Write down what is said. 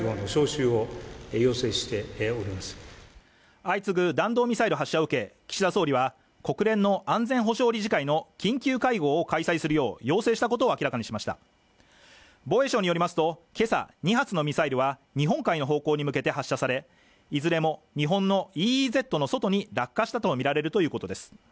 相次ぐ弾道ミサイル発射を受け岸田総理は国連の安全保障理事会の緊急会合を開催するよう要請したことを明らかにしました防衛省によりますとけさ２発のミサイルは日本海の方向に向けて発射されいずれも日本のＥＥＺの外に落下したとみられるということです